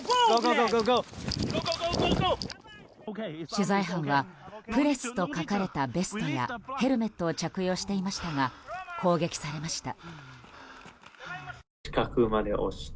取材班は「ＰＲＥＳＳ」と書かれたベストやヘルメットを着用していましたが攻撃されました。